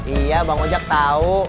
iya bang ojek tau